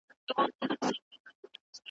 له وړو او سترو لویو نهنګانو ,